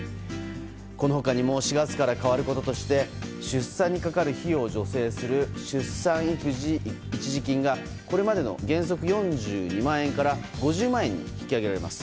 この他にも４月から変わることとして出産にかかる費用を助成する出産育児一時金がこれまでの原則４２万円から５０万円に引き上げられます。